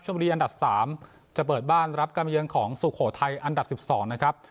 ชมบุรีอันดับสามจะเปิดบ้านรับกรรมเยืองของสุโขทัยอันดับสิบสองนะครับ